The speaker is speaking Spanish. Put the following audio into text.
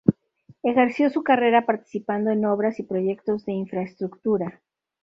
Ejerció su carrera participando en obras y proyectos de infraestructura.